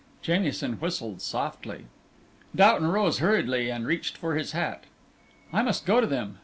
Jamieson whistled softly. Doughton rose hurriedly and reached for his hat. "I must go to them.